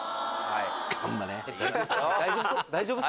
大丈夫そ？